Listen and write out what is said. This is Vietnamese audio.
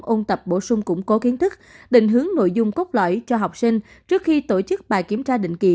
ôn tập bổ sung củng cố kiến thức định hướng nội dung cốt lõi cho học sinh trước khi tổ chức bài kiểm tra định kỳ